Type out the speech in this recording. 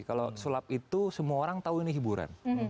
kalau sulap itu semua orang tahu ini hiburan